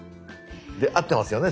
で合ってますよね？